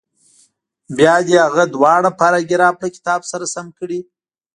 بیا دې هغه دواړه پاراګراف له کتاب سره سم کړي.